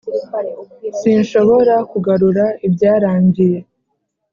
sinshobora kugarura ibyarangiye,